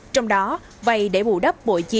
trong đó vay để bù đắp bội chi